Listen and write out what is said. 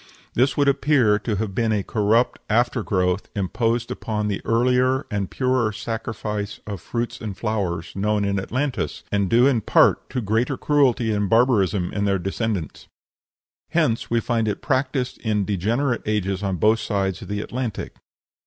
This would appear to have been a corrupt after growth imposed upon the earlier and purer sacrifice of fruits and flowers known in Atlantis, and due in part to greater cruelty and barbarism in their descendants. Hence we find it practised in degenerate ages on both sides of the Atlantic.